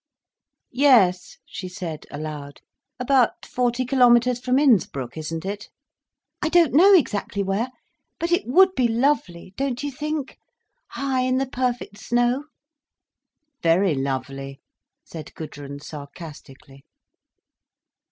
"Yes," she said aloud, "about forty kilometres from Innsbruck, isn't it?" "I don't know exactly where—but it would be lovely, don't you think, high in the perfect snow—?" "Very lovely!" said Gudrun, sarcastically.